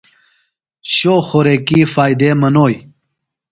شو خوریکی فائدے منوئی؟